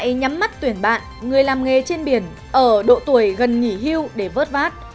hãy nhắm mắt tuyển bạn người làm nghề trên biển ở độ tuổi gần nhỉ hưu để vớt vát